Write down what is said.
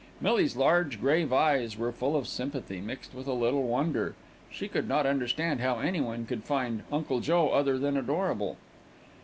Millie's large, grave eyes were full of sympathy, mixed with a little wonder. She could not understand how anyone could find "Uncle Joe" other than adorable.